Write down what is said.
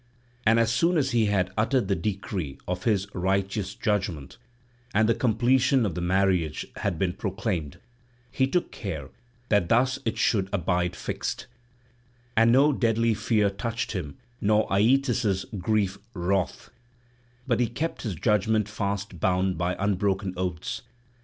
And as soon as he had uttered the decree of his righteous judgement, and the completion of the marriage had been proclaimed, he took care that thus it should abide fixed; and no deadly fear touched him nor Aeetes' grievous wrath, but he kept his judgement fast bound by unbroken oaths.